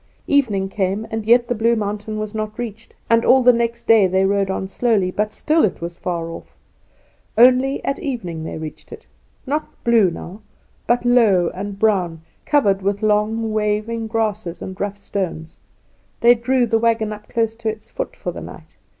Evening came, and yet the blue mountain was not reached, and all the next day they rode on slowly, but still it was far off. Only at evening they reached it; not blue now, but low and brown, covered with long waving grasses and rough stones. They drew the wagon up close to its foot for the night.